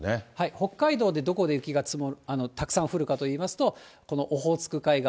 北海道でどこで雪がたくさん降るかといいますと、このオホーツク海側。